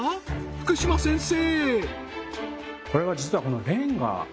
福島先生